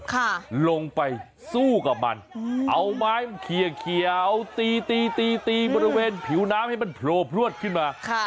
ค่ะลงไปสู้กับมันเอาไม้เขียวตีตีบริเวณผิวน้ำให้มันโผล่พลวดขึ้นมาค่ะ